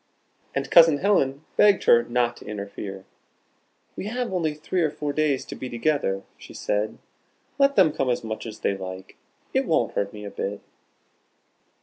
And Cousin Helen begged her not to interfere. "We have only three or four days to be together," she said. "Let them come as much as they like. It won't hurt me a bit."